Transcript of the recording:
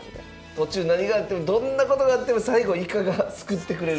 途中何があってもどんなことがあっても最後イカが救ってくれる。